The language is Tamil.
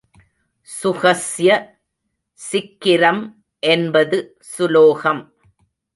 சுகஸ்ய சிக்கிரம் என்பது சுலோகம்.